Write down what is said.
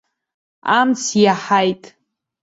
Амц иаҳаит.